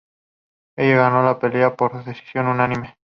Ella ganó la pelea por decisión unánime.